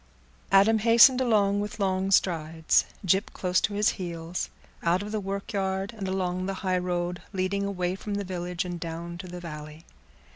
Adam hastened with long strides, Gyp close to his heels, out of the workyard, and along the highroad leading away from the village and down to the valley.